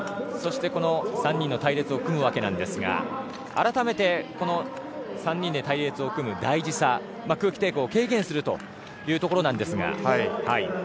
そして、この３人の隊列を組むわけですが改めて、３人で隊列を組む大事さ空気抵抗を低減するというところですが。